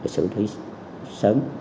sử lý sớm